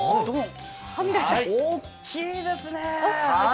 大きいですね。